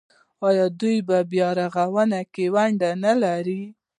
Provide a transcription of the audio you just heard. آیا دوی په بیارغونه کې ونډه نلره؟